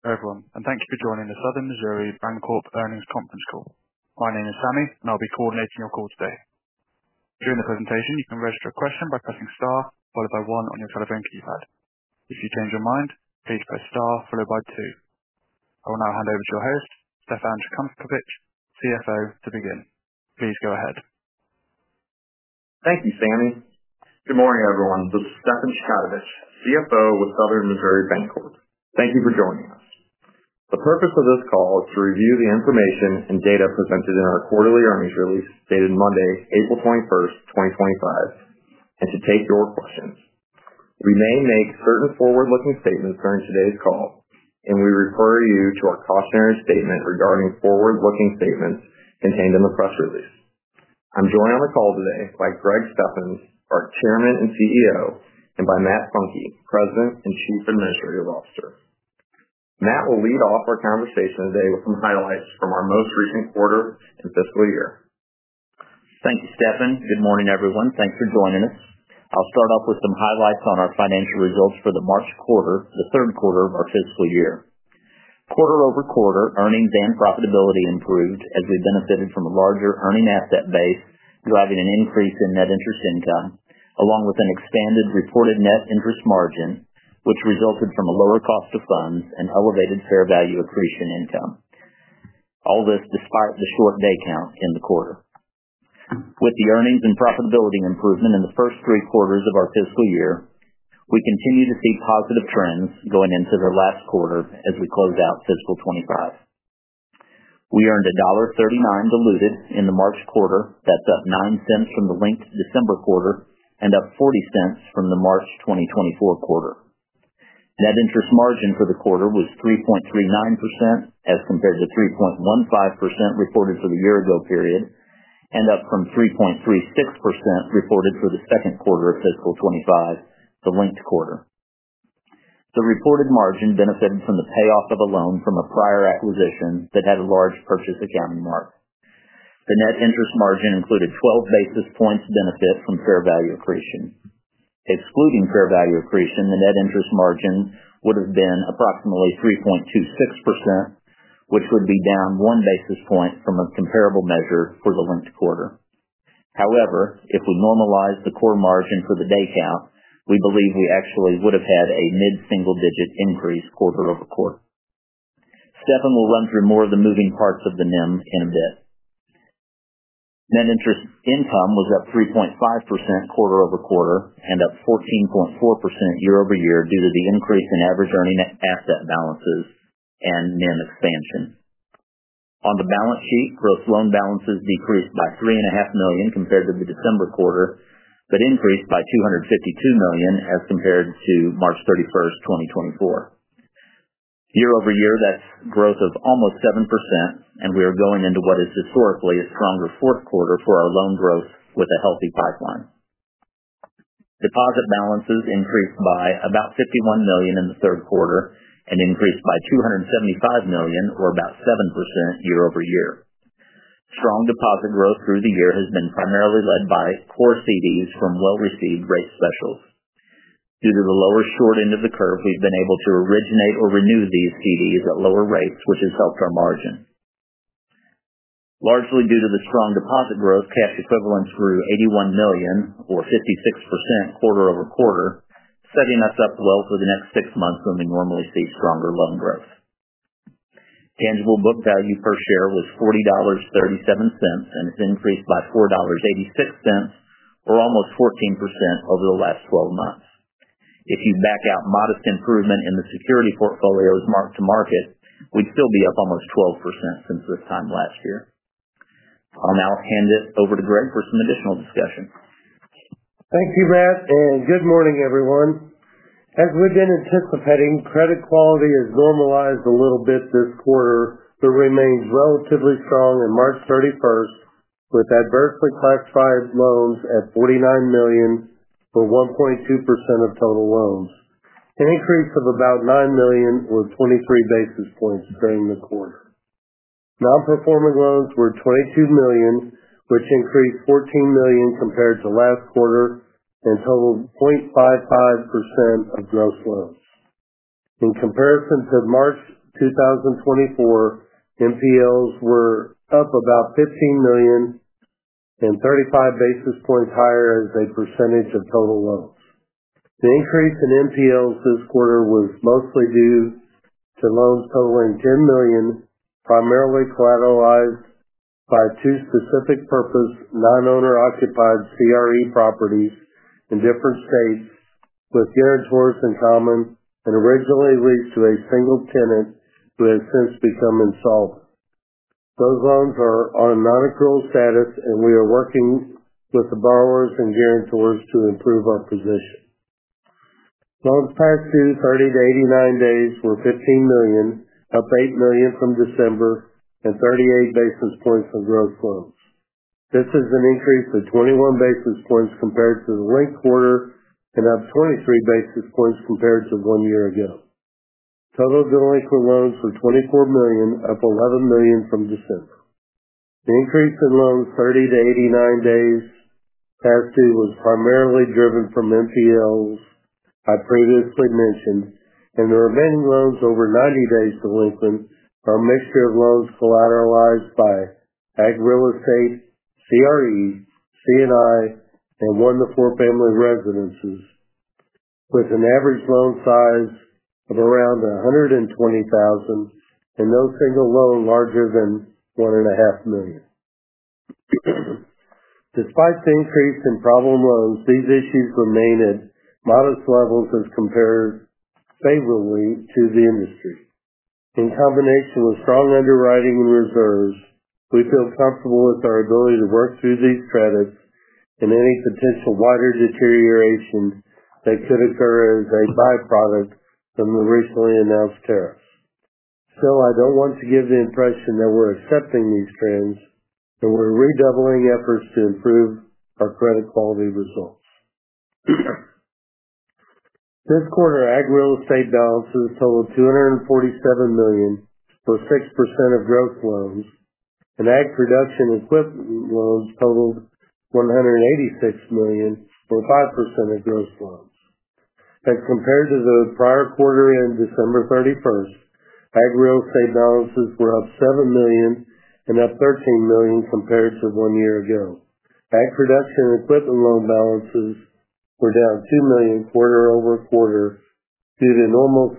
Everyone, and thank you for joining the Southern Missouri Bancorp Earnings Conference Call. My name is Sammy, and I'll be coordinating your call today. During the presentation, you can register a question by pressing star followed by one on your telephone keypad. If you change your mind, please press star followed by two. I will now hand over to your host, Stefan Chkautovich, CFO, to begin. Please go ahead. Thank you, Sammy. Good morning, everyone. This is Stefan Chkautovich, CFO with Southern Missouri Bancorp. Thank you for joining us. The purpose of this call is to review the information and data presented in our quarterly earnings release dated Monday, April 21st, 2025, and to take your questions. We may make certain forward-looking statements during today's call, and we refer you to our cautionary statement regarding forward-looking statements contained in the press release. I'm joined on the call today by Greg Steffens, our Chairman and CEO, and by Matt Funke, President and Chief Administrative Officer. Matt will lead off our conversation today with some highlights from our most recent quarter and fiscal year. Thank you, Stefan. Good morning, everyone. Thanks for joining us. I'll start off with some highlights on our financial results for the March quarter, the third quarter of our fiscal year. Quarter-over-quarter, earnings and profitability improved as we benefited from a larger earning asset base, driving an increase in net interest income, along with an expanded reported net interest margin, which resulted from a lower cost of funds and elevated fair value accretion income. All this despite the short day count in the quarter. With the earnings and profitability improvement in the first three quarters of our fiscal year, we continue to see positive trends going into the last quarter as we close out fiscal 2025. We earned $1.39 diluted in the March quarter. That's up $0.09 from the linked December quarter and up $0.40 from the March 2024 quarter. Net interest margin for the quarter was 3.39% as compared to 3.15% reported for the year-ago period and up from 3.36% reported for the second quarter of fiscal 2025, the linked quarter. The reported margin benefited from the payoff of a loan from a prior acquisition that had a large purchase accounting mark. The net interest margin included 12 basis points benefit from fair value accretion. Excluding fair value accretion, the net interest margin would have been approximately 3.26%, which would be down 1 basis point from a comparable measure for the linked quarter. However, if we normalize the core margin for the day count, we believe we actually would have had a mid-single-digit increase quarter-over-quarter. Stefan will run through more of the moving parts of the NIM in a bit. Net interest income was up 3.5% quarter-over-quarter and up 14.4% year-over-year due to the increase in average earning asset balances and NIM expansion. On the balance sheet, gross loan balances decreased by $3.5 million compared to the December quarter, but increased by $252 million as compared to March 31st, 2024. Year-over-year, that's growth of almost 7%, and we are going into what is historically a stronger fourth quarter for our loan growth with a healthy pipeline. Deposit balances increased by about $51 million in the third quarter and increased by $275 million, or about 7% year-over-year. Strong deposit growth through the year has been primarily led by core CDs from well-received rate specials. Due to the lower short end of the curve, we've been able to originate or renew these CDs at lower rates, which has helped our margin. Largely due to the strong deposit growth, cash equivalents grew $81 million, or 56% quarter-over-quarter, setting us up well for the next six months when we normally see stronger loan growth. Tangible book value per share was $40.37, and it's increased by $4.86, or almost 14% over the last 12 months. If you back out modest improvement in the security portfolios marked to market, we'd still be up almost 12% since this time last year. I'll now hand it over to Greg for some additional discussion. Thank you, Matt. Good morning, everyone. As we've been anticipating, credit quality has normalized a little bit this quarter. It remains relatively strong on March 31st, with adversely classified loans at $49 million for 1.2% of total loans. An increase of about $9 million was 23 basis points during the quarter. Non-performing loans were $22 million, which increased $14 million compared to last quarter and totaled 0.55% of gross loans. In comparison to March 2024, NPLs were up about $15 million and 35 basis points higher as a percentage of total loans. The increase in NPLs this quarter was mostly due to loans totaling $10 million, primarily collateralized by two specific purpose non-owner-occupied CRE properties in different states, with guarantors in common, and originally leased to a single tenant who has since become insolvent. Those loans are on non-accrual status, and we are working with the borrowers and guarantors to improve our position. Loans past due 30 days-89 days were $15 million, up $8 million from December, and 38 basis points of gross loans. This is an increase of 21 basis points compared to the linked quarter and up 23 basis points compared to one year ago. Total delinquent loans were $24 million, up $11 million from December. The increase in loans 30 days-89 days past due was primarily driven from NPLs I previously mentioned, and the remaining loans over 90 days delinquent are a mixture of loans collateralized by ag real estate, CRE, C&I, and one-to-four family residences, with an average loan size of around $120,000 and no single loan larger than $1.5 million. Despite the increase in problem loans, these issues remain at modest levels as compared favorably to the industry. In combination with strong underwriting and reserves, we feel comfortable with our ability to work through these credits and any potential wider deterioration that could occur as a byproduct from the recently announced tariffs. Still, I don't want to give the impression that we're accepting these trends and we're redoubling efforts to improve our credit quality results. This quarter, ag real estate balances totaled $247 million for 6% of gross loans, and ag production equipment loans totaled $186 million for 5% of gross loans. As compared to the prior quarter and December 31st, ag real estate balances were up $7 million and up $13 million compared to one year ago. Ag production equipment loan balances were down $2 million quarter-over-quarter due to normal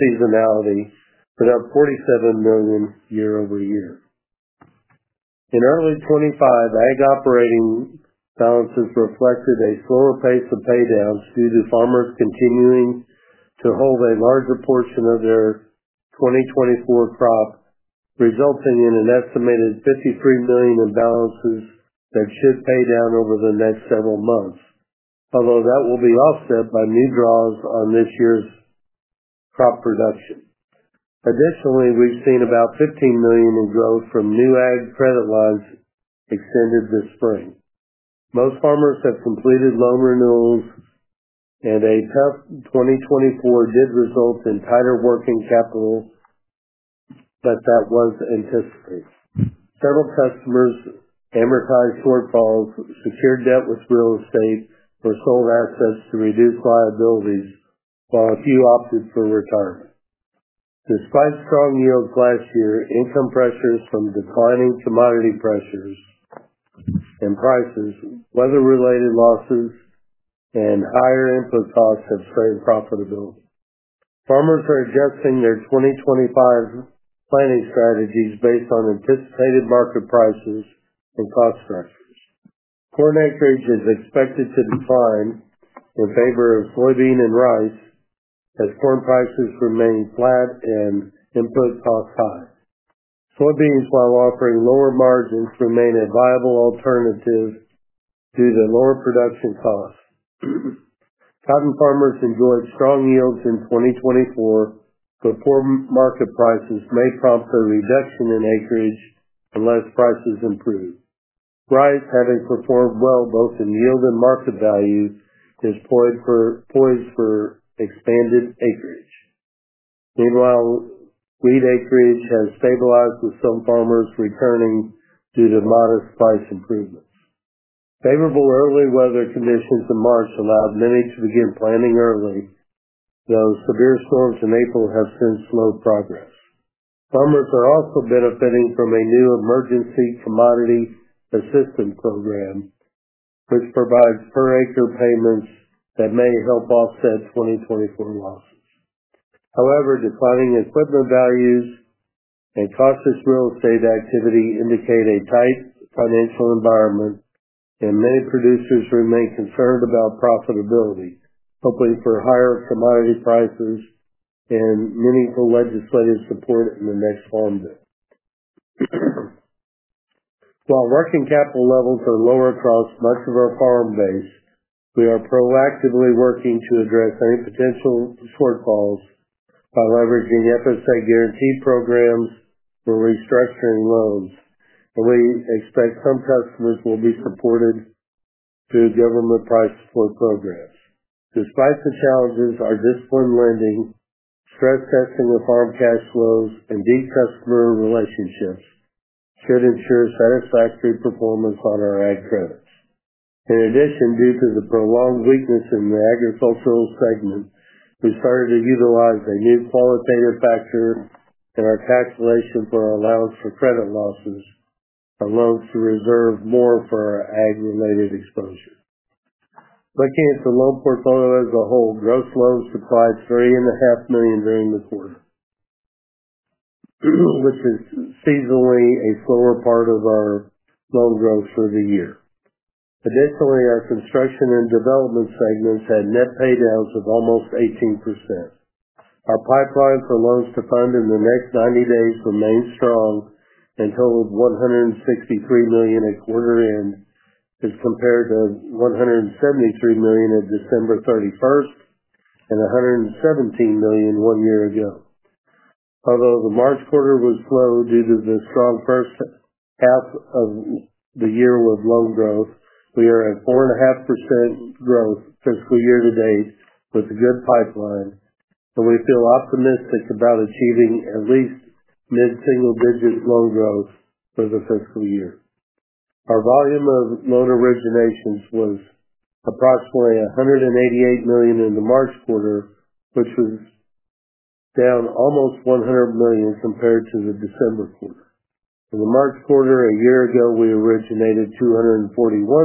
seasonality, but up $47 million year-over-year. In early 2025, ag operating balances reflected a slower pace of paydowns due to farmers continuing to hold a larger portion of their 2024 crop, resulting in an estimated $53 million in balances that should pay down over the next several months, although that will be offset by new draws on this year's crop production. Additionally, we've seen about $15 million in growth from new ag credit lines extended this spring. Most farmers have completed loan renewals, and a tough 2024 did result in tighter working capital, but that was anticipated. Several customers amortized shortfalls, secured debt with real estate, or sold assets to reduce liabilities, while a few opted for retirement. Despite strong yields last year, income pressures from declining commodity prices, weather-related losses, and higher input costs have strained profitability. Farmers are adjusting their 2025 planning strategies based on anticipated market prices and cost structures. Corn acreage is expected to decline in favor of soybean and rice as corn prices remain flat and input costs high. Soybeans, while offering lower margins, remain a viable alternative due to lower production costs. Cotton farmers enjoyed strong yields in 2024, but poor market prices may prompt a reduction in acreage unless prices improve. Rice, having performed well both in yield and market value, is poised for expanded acreage. Meanwhile, wheat acreage has stabilized with some farmers returning due to modest price improvements. Favorable early weather conditions in March allowed many to begin planning early, though severe storms in April have since slowed progress. Farmers are also benefiting from a new emergency commodity assistance program, which provides per-acre payments that may help offset 2024 losses. However, declining equipment values and cautious real estate activity indicate a tight financial environment, and many producers remain concerned about profitability, hoping for higher commodity prices and meaningful legislative support in the next Farm Bill. While working capital levels are lower across much of our farm base, we are proactively working to address any potential shortfalls by leveraging FSA guarantee programs for restructuring loans, and we expect some customers will be supported through government price support programs. Despite the challenges, our disciplined lending, stress testing of farm cash flows, and deep customer relationships should ensure satisfactory performance on our ag credits. In addition, due to the prolonged weakness in the agricultural segment, we've started to utilize a new qualitative factor in our calculation for our allowance for credit losses of loans to reserve more for our ag-related exposure. Looking at the loan portfolio as a whole, gross loans declined $3.5 million during the quarter, which is seasonally a slower part of our loan growth for the year. Additionally, our construction and development segments had net paydowns of almost 18%. Our pipeline for loans to fund in the next 90 days remains strong and totaled $163 million at quarter end as compared to $173 million at December 31 and $117 million one year ago. Although the March quarter was slow due to the strong first half of the year with loan growth, we are at 4.5% growth fiscal year-to-date with a good pipeline, and we feel optimistic about achieving at least mid-single-digit loan growth for the fiscal year. Our volume of loan originations was approximately $188 million in the March quarter, which was down almost $100 million compared to the December quarter. In the March quarter, a year ago, we originated $241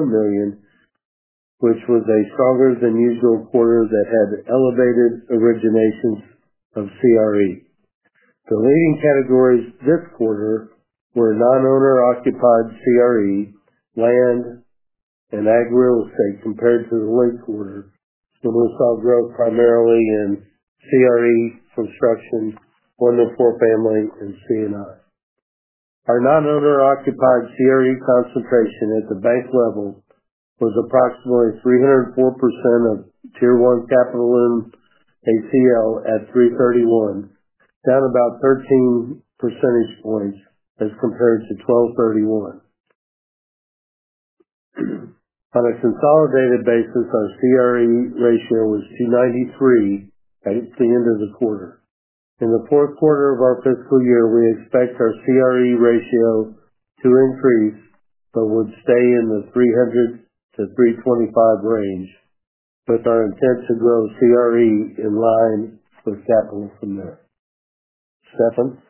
million, which was a stronger-than-usual quarter that had elevated originations of CRE. The leading categories this quarter were non-owner-occupied CRE, land, and ag real estate compared to the linked quarter, and we saw growth primarily in CRE, construction, one-to-four family, and C&I. Our non-owner-occupied CRE concentration at the bank level was approximately 304% of Tier 1 capital and ACL at 03/31, down about 13 percentage points as compared to 12/31. On a consolidated basis, our CRE ratio was 293% at the end of the quarter. In the fourth quarter of our fiscal year, we expect our CRE ratio to increase but would stay in the 300%-325% range, with our intent to grow CRE in line with capital from there. Stefan?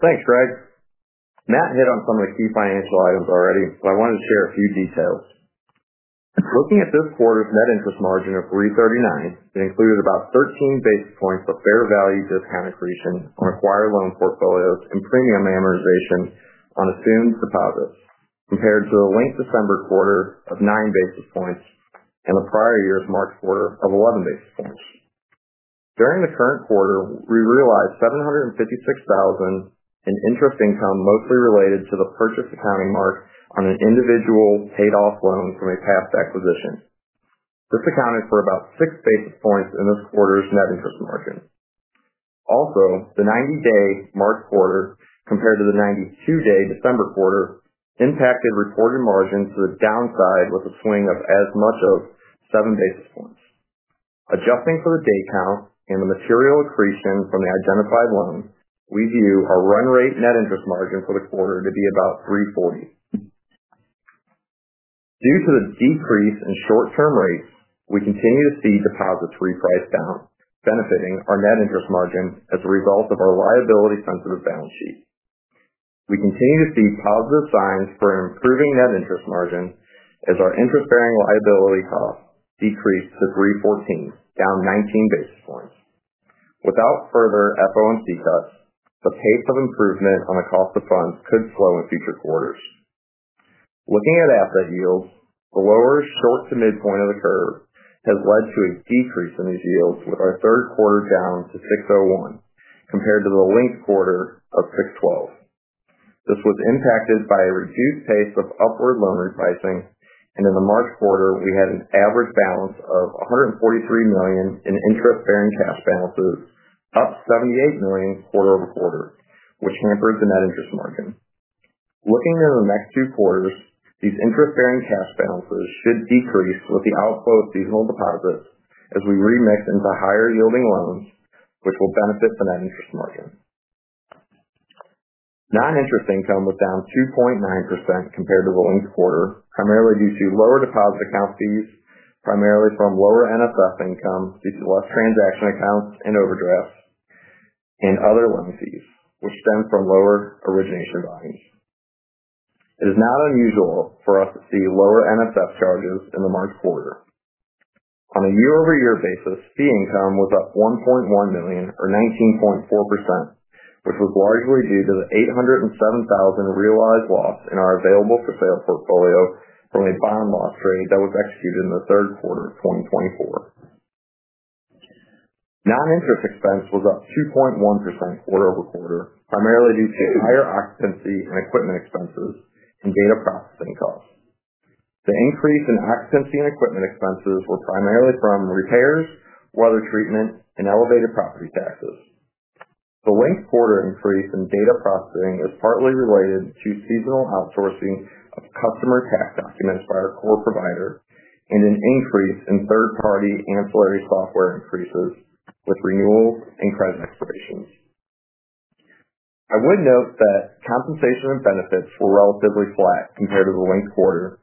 Thanks, Greg. Matt hit on some of the key financial items already, so I wanted to share a few details. Looking at this quarter's net interest margin of 3.39%, it included about 13 basis points of fair value discount accretion on acquired loan portfolios and premium amortization on assumed deposits, compared to the linked December quarter of 9 basis points and the prior year's March quarter of 11 basis points. During the current quarter, we realized $756,000 in interest income mostly related to the purchase accounting mark on an individual paid-off loan from a past acquisition. This accounted for about 6 basis points in this quarter's net interest margin. Also, the 90-day March quarter compared to the 92-day December quarter impacted reported margins to the downside with a swing of as much as 7 basis points. Adjusting for the day count and the material accretion from the identified loan, we view our run rate net interest margin for the quarter to be about 3.40%. Due to the decrease in short-term rates, we continue to see deposits repriced down, benefiting our net interest margin as a result of our liability-sensitive balance sheet. We continue to see positive signs for an improving net interest margin as our interest-bearing liability cost decreased to 3.14%, down 19 basis points. Without further FOMC cuts, the pace of improvement on the cost of funds could slow in future quarters. Looking at asset yields, the lower short to midpoint of the curve has led to a decrease in these yields, with our third quarter down to 6.01% compared to the linked quarter of 6.12%. This was impacted by a reduced pace of upward loan repricing, and in the March quarter, we had an average balance of $143 million in interest-bearing cash balances, up $78 million quarter-over-quarter, which hampered the net interest margin. Looking into the next two quarters, these interest-bearing cash balances should decrease with the outflow of seasonal deposits as we remix into higher-yielding loans, which will benefit the net interest margin. Non-interest income was down 2.9% compared to the linked quarter, primarily due to lower deposit account fees, primarily from lower NSF income due to less transaction accounts and overdrafts, and other loan fees, which stem from lower origination volumes. It is not unusual for us to see lower NSF charges in the March quarter. On a year-over-year basis, fee income was up $1.1 million, or 19.4%, which was largely due to the $807,000 realized loss in our available-for-sale portfolio from a bond loss trade that was executed in the third quarter of 2024. Non-interest expense was up 2.1% quarter-over-quarter, primarily due to higher occupancy and equipment expenses and data processing costs. The increase in occupancy and equipment expenses was primarily from repairs, weather treatment, and elevated property taxes. The linked quarter increase in data processing is partly related to seasonal outsourcing of customer tax documents by our core provider and an increase in third-party ancillary software increases with renewals and credit expirations. I would note that compensation and benefits were relatively flat compared to the linked quarter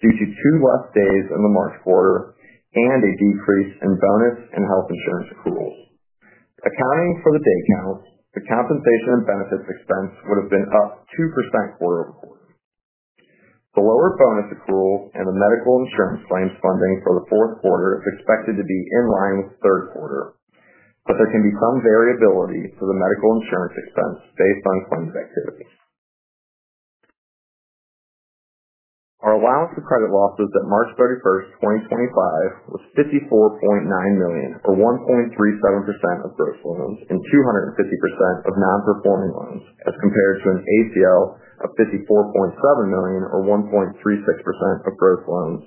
due to two less days in the March quarter and a decrease in bonus and health insurance accruals. Accounting for the day counts, the compensation and benefits expense would have been up 2% quarter-over-quarter. The lower bonus accrual and the medical insurance claims funding for the fourth quarter is expected to be in line with the third quarter, but there can be some variability to the medical insurance expense based on claims activity. Our allowance for credit losses at March 31st, 2025, was $54.9 million, or 1.37% of gross loans and 250% of non-performing loans, as compared to an ACL of $54.7 million, or 1.36% of gross loans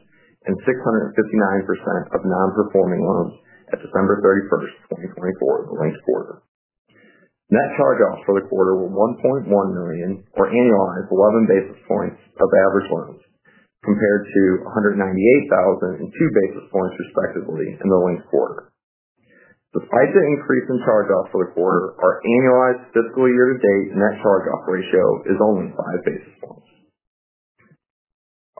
and 659% of non-performing loans at December 31st, 2024, in the linked quarter. Net charge-off for the quarter was $1.1 million, or annualized 11 basis points of average loans, compared to $198,000 and 2 basis points respectively in the linked quarter. Despite the increase in charge-off for the quarter, our annualized fiscal year-to-date net charge-off ratio is only 5 basis points.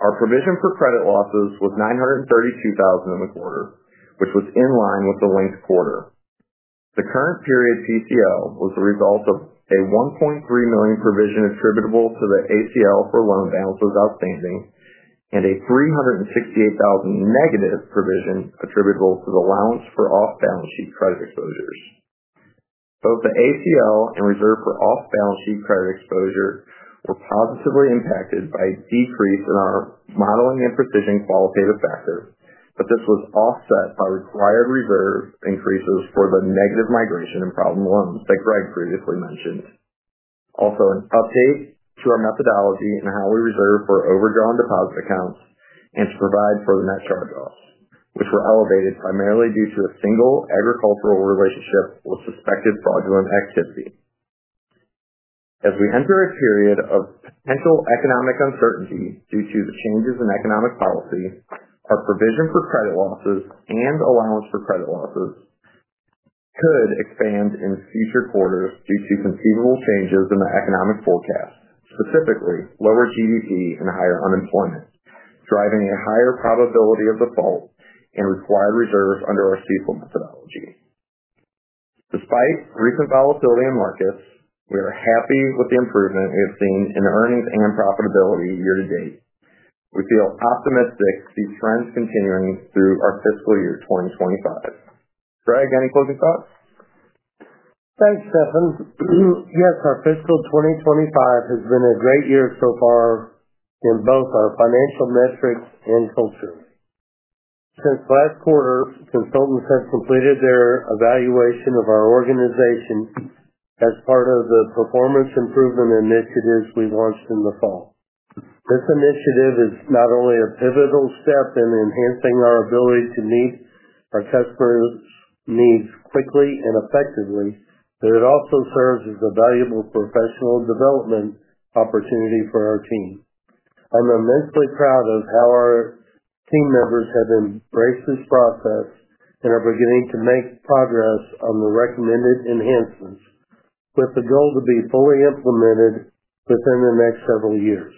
Our provision for credit losses was $932,000 in the quarter, which was in line with the linked quarter. The current period PCL was the result of a $1.3 million provision attributable to the ACL for loan balances outstanding and a $368,000 negative provision attributable to the allowance for off-balance sheet credit exposures. Both the ACL and reserve for off-balance sheet credit exposure were positively impacted by a decrease in our modeling imprecision qualitative factor, but this was offset by required reserve increases for the negative migration and problem loans that Greg previously mentioned. Also, an update to our methodology and how we reserve for overdrawn deposit accounts and to provide for the net charge-offs, which were elevated primarily due to a single agricultural relationship with suspected fraudulent activity. As we enter a period of potential economic uncertainty due to the changes in economic policy, our provision for credit losses and allowance for credit losses could expand in future quarters due to conceivable changes in the economic forecast, specifically lower GDP and higher unemployment, driving a higher probability of default and required reserves under our CECL methodology. Despite recent volatility in markets, we are happy with the improvement we have seen in earnings and profitability year-to-date. We feel optimistic to see trends continuing through our fiscal year 2025. Greg, any closing thoughts? Thanks, Stefan. Yes, our fiscal 2025 has been a great year so far in both our financial metrics and culture. Since last quarter, consultants have completed their evaluation of our organization as part of the performance improvement initiatives we launched in the fall. This initiative is not only a pivotal step in enhancing our ability to meet our customers' needs quickly and effectively, but it also serves as a valuable professional development opportunity for our team. I'm immensely proud of how our team members have embraced this process and are beginning to make progress on the recommended enhancements, with the goal to be fully implemented within the next several years.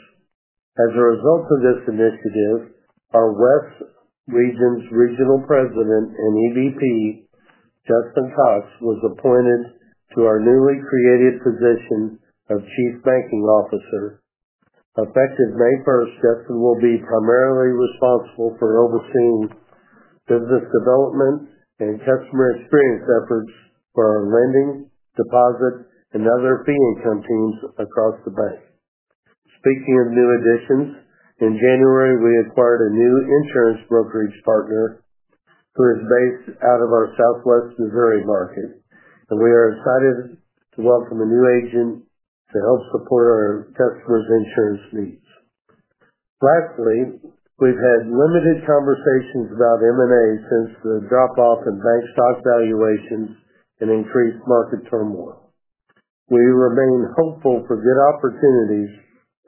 As a result of this initiative, our West Region's Regional President and EVP, Justin Cox, was appointed to our newly created position of Chief Banking Officer. Effective May 1st, Justin will be primarily responsible for overseeing business development and customer experience efforts for our lending, deposit, and other fee income teams across the bank. Speaking of new additions, in January, we acquired a new insurance brokerage partner who is based out of our Southwest Missouri market, and we are excited to welcome a new agent to help support our customers' insurance needs. Lastly, we've had limited conversations about M&A since the drop-off in bank stock valuations and increased market turmoil. We remain hopeful for good opportunities,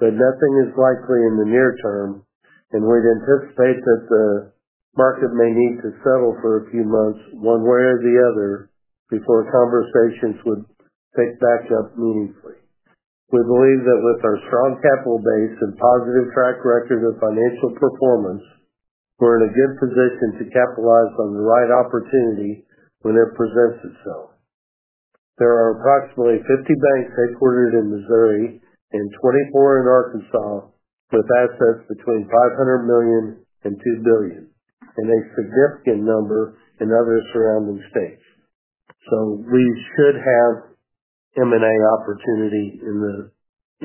but nothing is likely in the near term, and we'd anticipate that the market may need to settle for a few months one way or the other before conversations would pick back up meaningfully. We believe that with our strong capital base and positive track record of financial performance, we're in a good position to capitalize on the right opportunity when it presents itself. There are approximately 50 banks headquartered in Missouri and 24 in Arkansas, with assets between $500 million and $2 billion, and a significant number in other surrounding states. We should have M&A opportunity in the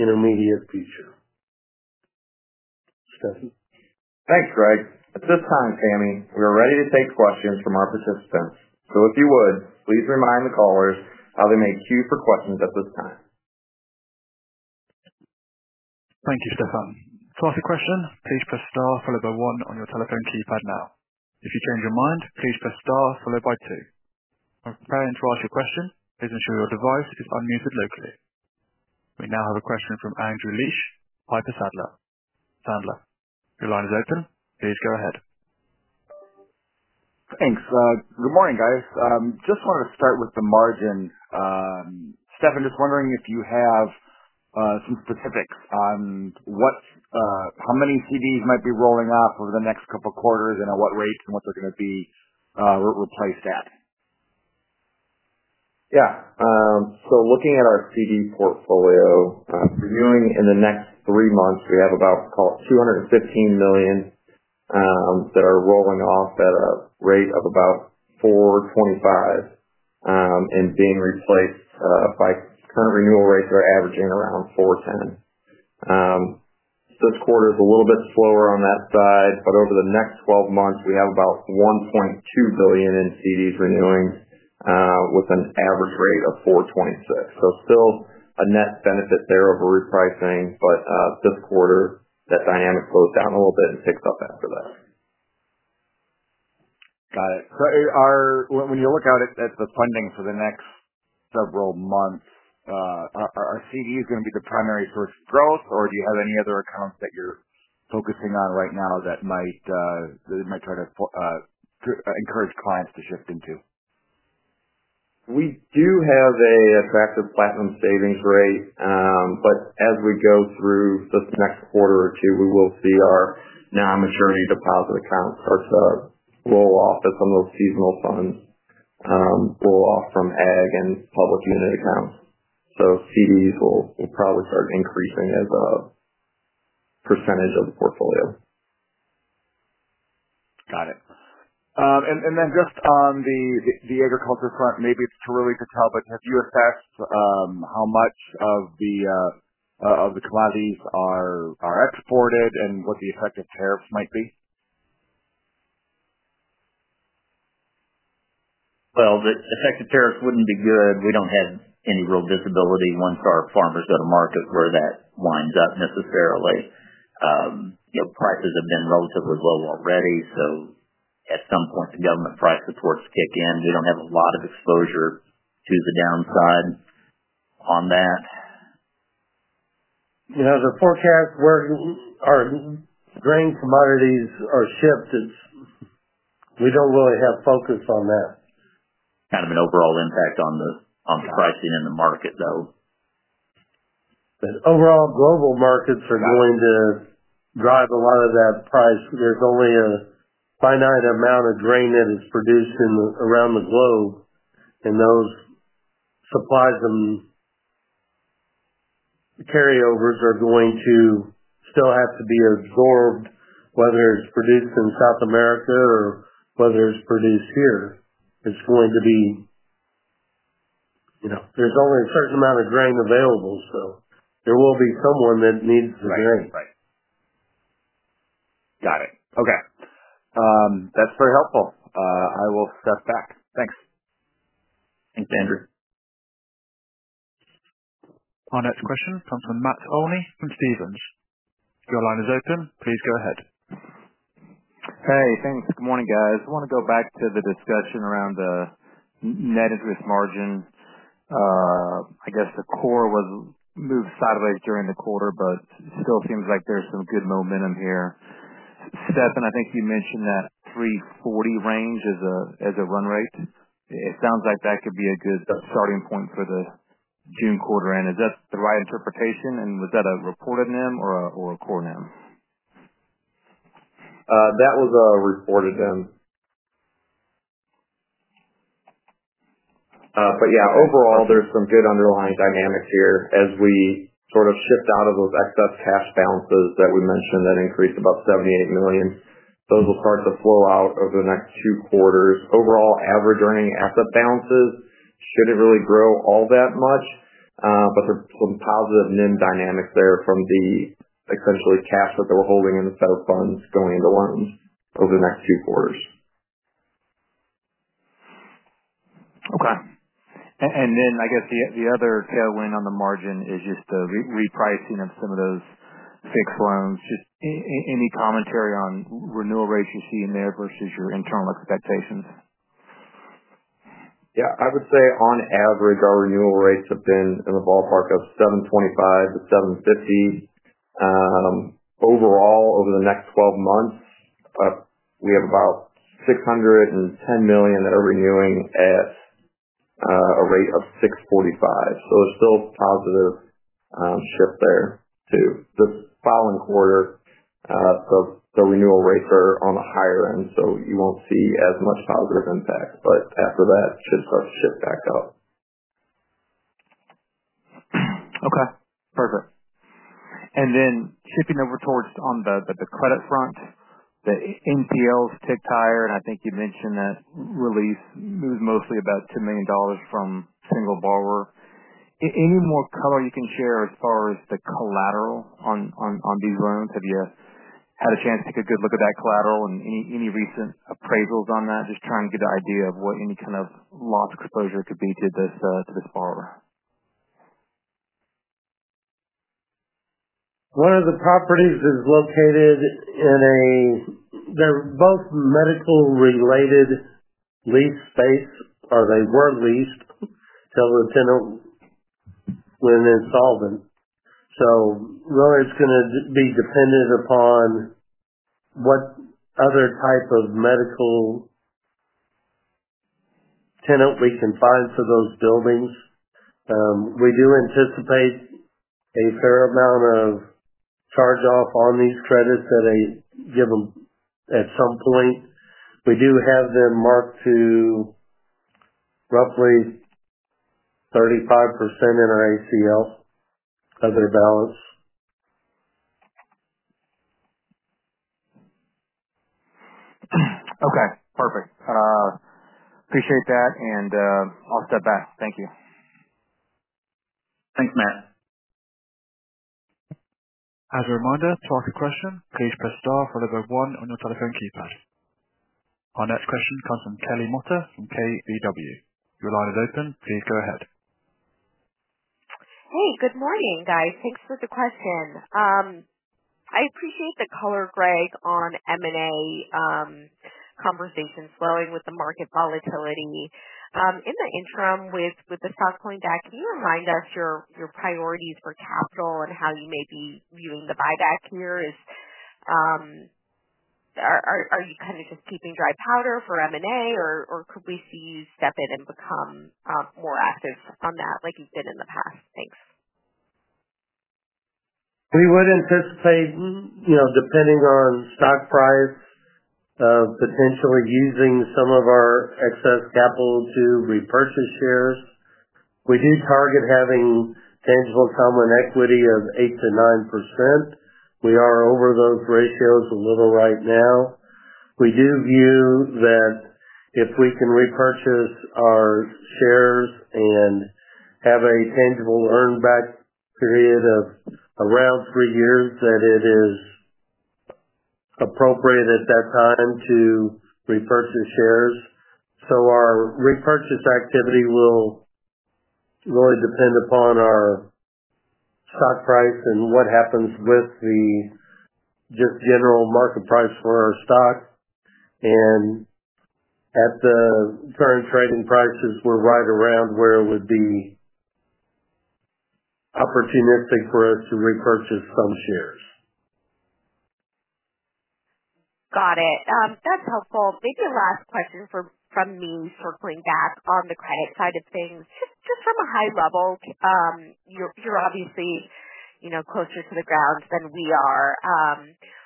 intermediate future. Stefan? Thanks, Greg. At this time, Sammy, we are ready to take questions from our participants. If you would, please remind the callers how they may queue for questions at this time. Thank you, Stefan. To ask a question, please press star followed by one on your telephone keypad now. If you change your mind, please press star followed by two. When preparing to ask your question, please ensure your device is unmuted locally. We now have a question from Andrew Liesch, Piper Sandler. Your line is open. Please go ahead. Thanks. Good morning, guys. Just wanted to start with the margins. Stefan, just wondering if you have some specifics on how many CDs might be rolling off over the next couple of quarters and at what rates and what they're going to be replaced at. Yeah. Looking at our CD portfolio, reviewing in the next three months, we have about, call it, $215 million that are rolling off at a rate of about 4.25% and being replaced by current renewal rates that are averaging around 4.10%. This quarter is a little bit slower on that side, but over the next 12 months, we have about $1.2 billion in CDs renewing with an average rate of 4.26%. Still a net benefit there of repricing, but this quarter, that dynamic slows down a little bit and picks up after that. Got it. When you look at the funding for the next several months, are CDs going to be the primary source of growth, or do you have any other accounts that you're focusing on right now that might try to encourage clients to shift into? We do have an attractive Platinum Savings rate, but as we go through this next quarter or two, we will see our non-maturity deposit accounts start to roll off as some of those seasonal funds roll off from ag and public unit accounts. CDs will probably start increasing as a percentage of the portfolio. Got it. Just on the agriculture front, maybe it's too early to tell, but have you assessed how much of the commodities are exported and what the effective tariffs might be? The effective tariffs wouldn't be good. We don't have any real visibility once our farmers go to market where that winds up necessarily. Prices have been relatively low already, so at some point, the government price supports kick in. We don't have a lot of exposure to the downside on that. You know, the forecast where our grain commodities are shipped, we don't really have focus on that. Kind of an overall impact on the pricing in the market, though. Overall, global markets are going to drive a lot of that price. There's only a finite amount of grain that is produced around the globe, and those supplies and carryovers are going to still have to be absorbed, whether it's produced in South America or whether it's produced here. There's only a certain amount of grain available, so there will be someone that needs the grain. Right, right. Got it. Okay. That's very helpful. I will step back. Thanks. Thanks, Andrew. Our next question comes from Matt Olney from Stephens. Your line is open. Please go ahead. Hey, thanks. Good morning, guys. I want to go back to the discussion around the net interest margin. I guess the core was moved sideways during the quarter, but it still seems like there's some good momentum here. Stefan, I think you mentioned that 3.40% range as a run rate. It sounds like that could be a good starting point for the June quarter end. Is that the right interpretation, and was that a reported NIM or a core NIM? That was a reported NIM. Yeah, overall, there's some good underlying dynamics here as we sort of shift out of those excess cash balances that we mentioned that increased about $78 million. Those will start to flow out over the next two quarters. Overall, average earning asset balances shouldn't really grow all that much, but there's some positive NIM dynamics there from the essentially cash that they were holding in the federal funds going into loans over the next two quarters. Okay. I guess the other tailwind on the margin is just the repricing of some of those fixed loans. Just any commentary on renewal rates you see in there versus your internal expectations? Yeah. I would say on average, our renewal rates have been in the ballpark of 7.25%-7.50%. Overall, over the next 12 months, we have about $610 million that are renewing at a rate of 6.45%. There is still a positive shift there too. This following quarter, the renewal rates are on the higher end, so you will not see as much positive impact, but after that, it should start to shift back up. Okay. Perfect. Shifting over towards on the credit front, the NPLs ticked higher, and I think you mentioned that release was mostly about $2 million from a single borrower. Any more color you can share as far as the collateral on these loans? Have you had a chance to take a good look at that collateral and any recent appraisals on that? Just trying to get an idea of what any kind of loss exposure could be to this borrower. One of the properties is located in a—they're both medical-related lease space, or they were leased till the tenant went and sold them. So really, it's going to be dependent upon what other type of medical tenant we can find for those buildings. We do anticipate a fair amount of charge-off on these credits that they give them at some point. We do have them marked to roughly 35% in our ACL of their balance. Okay. Perfect. Appreciate that, and I'll step back. Thank you. Thanks, Matt. As reminder, to ask a question, please press star followed by one on your telephone keypad. Our next question comes from Kelly Motta from KBW. Your line is open. Please go ahead. Hey, good morning, guys. Thanks for the question. I appreciate the color, Greg, on M&A conversations flowing with the market volatility. In the interim, with the stock going back, can you remind us your priorities for capital and how you may be viewing the buyback here? Are you kind of just keeping dry powder for M&A, or could we see you step in and become more active on that like you've been in the past? Thanks. We would anticipate, depending on stock price, potentially using some of our excess capital to repurchase shares. We do target having tangible common equity of 8%-9%. We are over those ratios a little right now. We do view that if we can repurchase our shares and have a tangible earnback period of around three years, that it is appropriate at that time to repurchase shares. Our repurchase activity will really depend upon our stock price and what happens with the just general market price for our stock. At the current trading prices, we're right around where it would be opportunistic for us to repurchase some shares. Got it. That's helpful. Maybe a last question from me circling back on the credit side of things. Just from a high level, you're obviously closer to the ground than we are.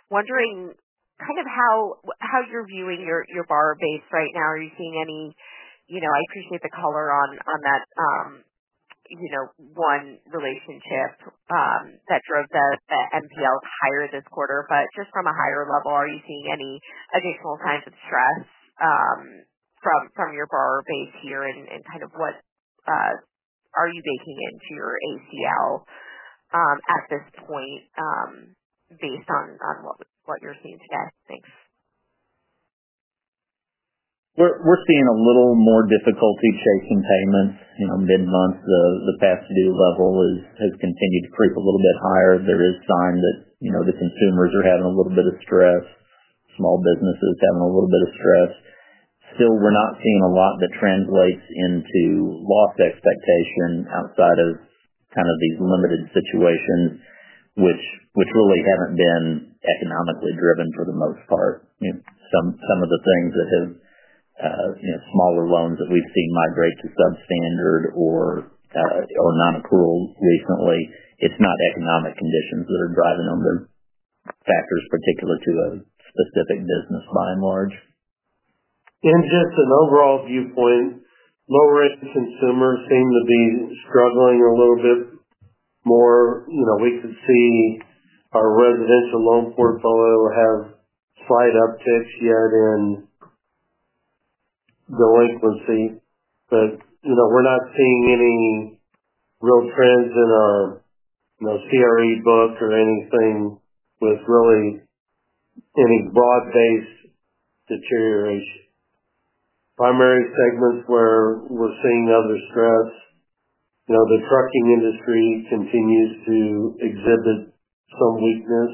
Wondering kind of how you're viewing your borrower base right now. Are you seeing any—I appreciate the color on that one relationship that drove the NPLs higher this quarter, but just from a higher level, are you seeing any additional signs of stress from your borrower base here and kind of what are you baking into your ACL at this point based on what you're seeing today? Thanks. We're seeing a little more difficulty chasing payments. Mid-month, the past due level has continued to creep a little bit higher. There is sign that the consumers are having a little bit of stress, small businesses having a little bit of stress. Still, we're not seeing a lot that translates into lost expectation outside of kind of these limited situations, which really haven't been economically driven for the most part. Some of the things that have smaller loans that we've seen migrate to substandard or non-accrual recently, it's not economic conditions that are driving them. They're factors particular to a specific business by and large. Just an overall viewpoint, lower-end consumers seem to be struggling a little bit more. We could see our residential loan portfolio have slight upticks yet in delinquency, but we're not seeing any real trends in our CRE book or anything with really any broad-based deterioration. Primary segments where we're seeing other stress, the trucking industry continues to exhibit some weakness,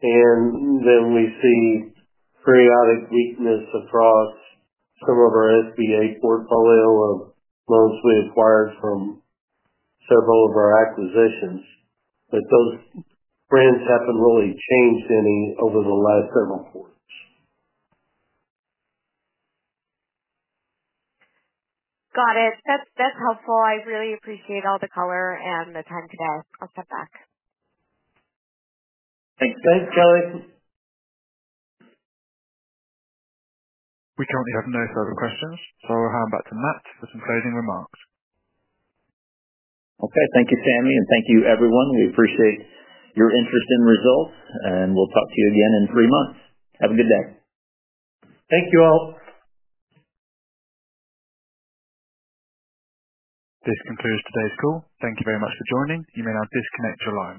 and then we see periodic weakness across some of our SBA portfolio of loans we acquired from several of our acquisitions. Those trends haven't really changed any over the last several quarters. Got it. That's helpful. I really appreciate all the color and the time today. I'll step back. Thanks. Thanks, Kelly. We currently have no further questions, so I'll hand back to Matt for some closing remarks. Okay. Thank you, Sammy, and thank you, everyone. We appreciate your interest in results, and we'll talk to you again in three months. Have a good day. Thank you all. This concludes today's call. Thank you very much for joining. You may now disconnect your line.